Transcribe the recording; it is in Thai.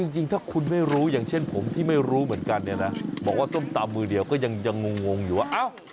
จริงถ้าคุณไม่รู้อย่างเช่นผมที่ไม่รู้เหมือนกันเนี่ยนะบอกว่าส้มตำมือเดียวก็ยังงงอยู่ว่า